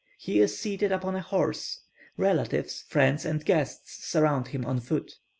He is seated upon a horse; relatives, friends, and guests surround him on foot.